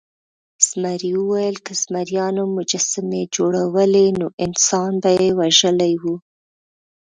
زمري وویل که زمریانو مجسمې جوړولی نو انسان به یې وژلی و.